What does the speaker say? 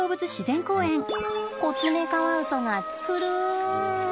コツメカワウソがつるん！